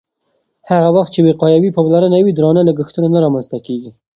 هغه وخت چې وقایوي پاملرنه وي، درانه لګښتونه نه رامنځته کېږي.